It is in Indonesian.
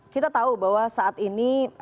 kita tahu bahwa saat ini